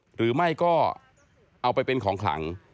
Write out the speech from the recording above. หรือไม่ก็เอาไปเป็นของขลัง